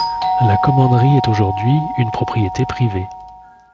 La commanderie est aujourd'hui une propriété privée.